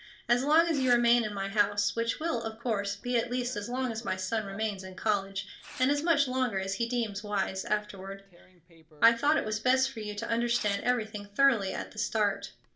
As long as you remain in my house, which will, of course, be at least as long as my son remains in college, and as much longer as he deems wise afterward, I thought it was best for you to understand everything thoroughly at the start.